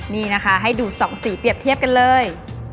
นี่นะคะให้ดู๒สีเปรียบเทียบกันเลย